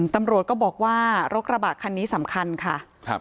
ตำรวจก็บอกว่ารถกระบะคันนี้สำคัญค่ะ